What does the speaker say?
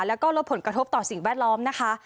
แล้วก็ลดผลกระทบต่อสิ่งแวดล้อมนะคะ